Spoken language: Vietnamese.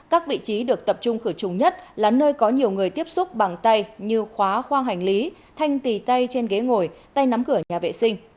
các vị trí được tập trung khử trùng nhất là nơi có nhiều người tiếp xúc bằng tay như khóa khoang hành lý thanh tì tay trên ghế ngồi tay nắm cửa nhà vệ sinh